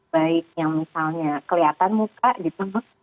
baik yang misalnya kelihatan muka di tengah